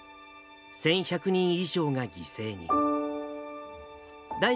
１１００人以上が犠牲に。